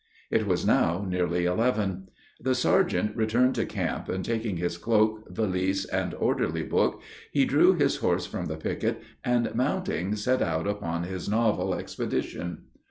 It was now nearly eleven. The sergeant returned to camp, and, taking his cloak, valise, and orderly book, he drew his horse from the picket, and, mounting, set out upon his novel expedition.